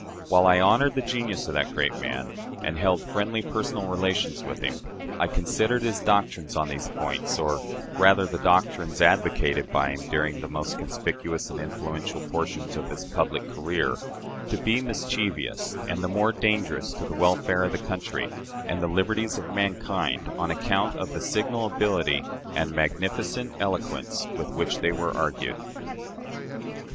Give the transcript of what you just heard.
While I honored the genius of that great man, and held friendly personal relations with him, I considered his doctrines on these points or rather the doctrines advocated by him during the most conspicuous and influential portions of his public career to be mischievous, and the more dangerous to the welfare of the country and the liberties of mankind on account of the signal ability and magnificent eloquence with which they were argued.